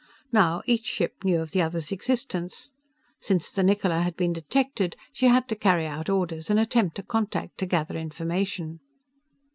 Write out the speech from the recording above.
Now each ship knew of the other's existence. Since the Niccola had been detected, she had to carry out orders and attempt a contact to gather information.